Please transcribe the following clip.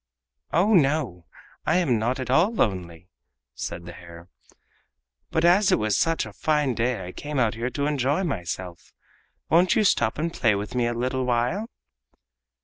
"Oh, no, I am not at all lonely," said the hare, "but as it was such a fine day I came out here to enjoy myself. Won't you stop and play with me a little while?"